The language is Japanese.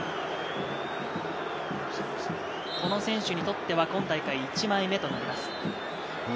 この選手にとっては今大会、１枚目となります。